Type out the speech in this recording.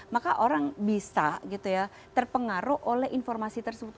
maka orang bisa gitu ya terpengaruh oleh informasi tersebut